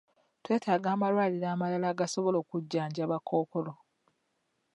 Twetaaga amalwaliro amalala agasobola okujjanjaba kkookolo.